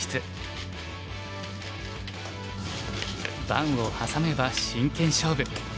盤を挟めば真剣勝負。